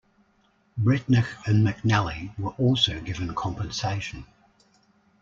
Breatnach and McNally were also given compensation.